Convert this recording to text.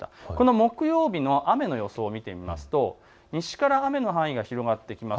木曜日の雨の予想を見てみますと西から雨の範囲が広がってきます。